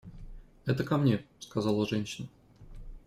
– Это ко мне, – сказала женщина.